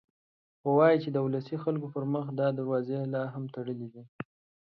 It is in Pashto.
خو وايي چې د ولسي خلکو پر مخ دا دروازه لا هم تړلې ده.